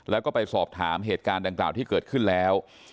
แล้วก็ไปสอบถามเหตุการณ์ดังกล่าวที่เกิดขึ้นแล้ว